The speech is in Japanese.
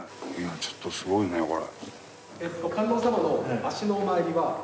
ちょっとすごいねこれ。